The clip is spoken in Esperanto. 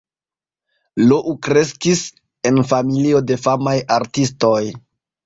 Lou kreskis en familio de famaj artistoj.